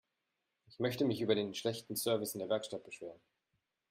Ich möchte mich über den schlechten Service in der Werkstatt beschweren.